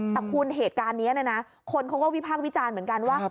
แต่คุณเหตุการณ์นี้นะคนเขาก็วิพากษ์วิจารณ์เหมือนกันว่า